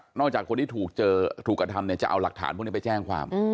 จากคนที่ถูกกระทำเนี่ยจะเอาหลักฐานพวกนี้ไปแจ้งความ